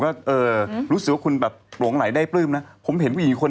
ที่มันที่มันต้องยก